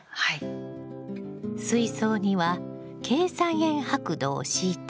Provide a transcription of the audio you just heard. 水槽にはケイ酸塩白土を敷いて。